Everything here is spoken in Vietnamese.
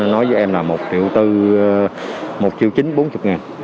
nói với em là một triệu chín bốn mươi ngàn